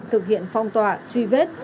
thực hiện phong tỏa truy vết